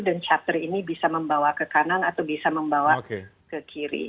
dan chapter ini bisa membawa ke kanan atau bisa membawa ke kiri